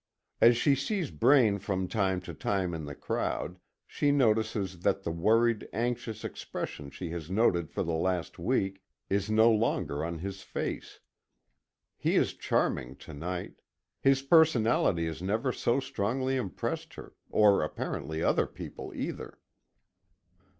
As she sees Braine from to time to time in the crowd, she notices that the worried, anxious expression she has noted for the last week, is no longer on his face. He is charming to night. His personality has never so strongly impressed her, or apparently other people either.